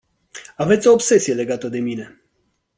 Aveți o obsesie legată de mine.